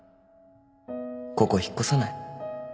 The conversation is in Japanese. ここ引っ越さない？